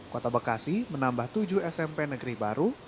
kota bekasi menambah tujuh smp negeri baru